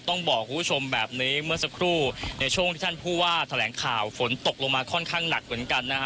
ต้องบอกคุณผู้ชมแบบนี้เมื่อสักครู่ในช่วงที่ท่านผู้ว่าแถลงข่าวฝนตกลงมาค่อนข้างหนักเหมือนกันนะฮะ